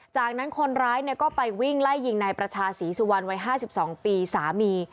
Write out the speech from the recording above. จากนั้นคนร้ายก็ไปวิ่งไล่ยิงนายประชาศรีสุวรรณวัย๕๒ปีสามี